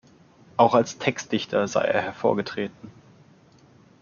Auch als Textdichter sei er hervorgetreten.